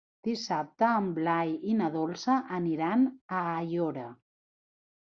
Dissabte en Blai i na Dolça aniran a Aiora.